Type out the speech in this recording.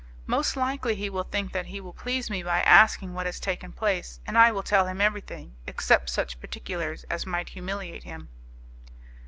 "Most likely he will think that he will please me by asking what has taken place, and I will tell him everything, except such particulars as might humiliate him."